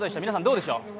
どうでしょう。